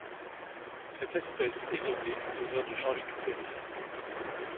Cette espèce est nommée en l'honneur de Jean-Luc Perret.